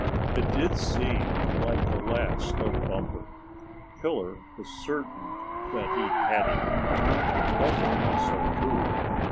It did seem like the last of Bumper. Killer was certain that he had him, and Bumper thought so too.